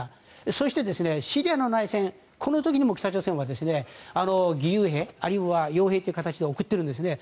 そして、シリアの内戦この時にも北朝鮮は義勇兵あるいは傭兵という形で送っているんですね。